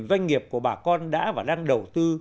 doanh nghiệp của bà con đã và đang đầu tư